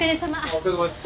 お疲れさまです。